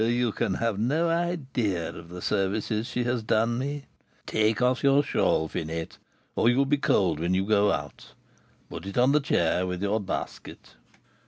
"You can have no idea of the services she has done me. Take off your shawl, Finette, or you'll be cold when you go out; put it on the chair with your basket."